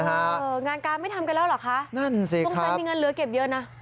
เอองานการไม่ทำกันแล้วเหรอคะต้องการมีเงินเหลือเก็บเยอะนะนั่นสิครับ